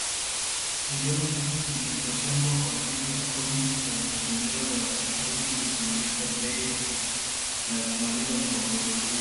milioni tatu zilizotengwa kwa ajili ya Kodi ya Maendeleo ya petroli ili kuimarisha bei na kumaliza mgogoro huo